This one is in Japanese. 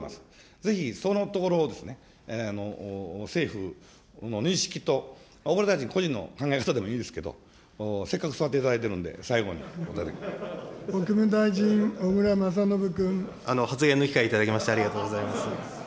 ぜひそのところを政府の認識と、小倉大臣個人の考え方でもいいですけれども、せっかく座っていた国務大臣、発言の機会頂きまして、ありがとうございます。